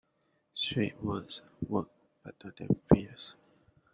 Sweet words work better than fierce.